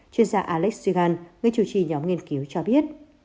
chuyên gia alex zygan người chủ trì nhóm nghiên cứu cho biết